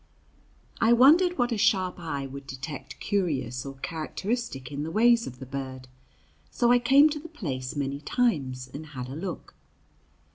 I wondered what a sharp eye would detect curious or characteristic in the ways of the bird, so I came to the place many times and had a look.